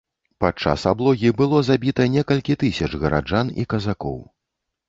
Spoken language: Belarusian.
Падчас аблогі было забіта некалькі тысяч гараджан і казакоў.